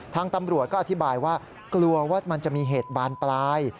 ทางตำรวจก็อธิบายว่ากลัวว่ามันจะมีเหตุบานปลาย